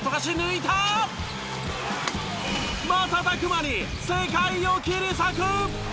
瞬く間に世界を切り裂く！